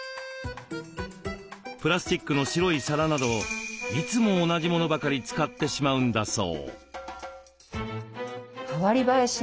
プラスチックの白い皿などいつも同じものばかり使ってしまうんだそう。